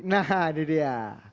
nah ini dia